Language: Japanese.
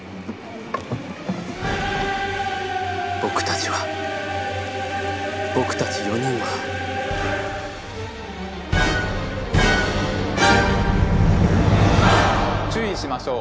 僕たちは僕たち４人は注意しましょう！